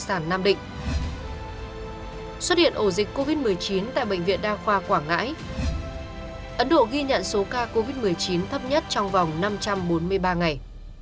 ấn độ ghi nhận số ca covid một mươi chín thấp nhất trong vòng năm trăm bốn mươi ba ngày